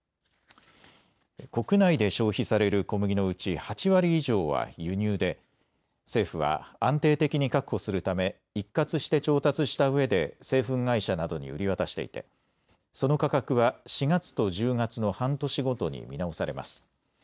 国内で消費される小麦のうち８割以上は輸入で政府は安定的に確保するため一括して調達したうえで製粉会社などに売り渡していてその価格は４月と１０月の半年ごとに見直されます。